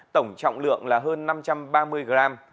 tổng trọng lượng là hơn năm trăm ba mươi gram